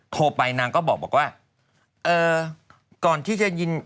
โทรไปนางก็บอกว่าเอ่อก่อนที่จะยิน